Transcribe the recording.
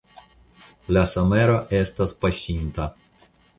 La somero estas pasinta.